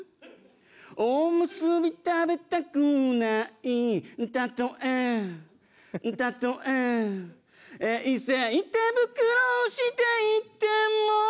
「おむすび食べたくない」「たとえたとえ」「衛生手袋をしていても」